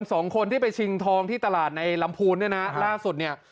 สองคนที่ไปชิงทองที่ตลาดในลำพูนเนี่ยนะล่าสุดเนี่ย